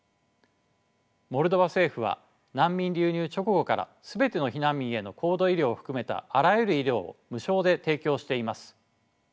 モルドバ政府は避難民流入直後から全ての避難民への高度医療を含めたあらゆる医療を無償で提供しています。